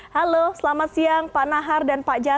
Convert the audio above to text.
halo selamat siang pak nahar dan pak jarod